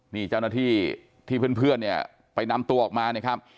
นี่เจ้าหน้าที่ที่เพื่อนเนี่ยไปนำตัวออกมานะครับ